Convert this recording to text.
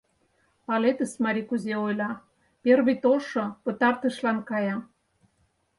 Палетыс, марий кузе ойла: первый толшо пытартышлан кая.